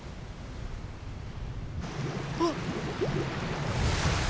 あっ！